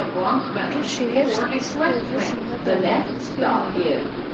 Першы верш напісала ў восем гадоў на рускай мове.